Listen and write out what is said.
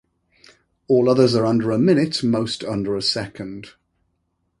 All others are under a minute, most under a second.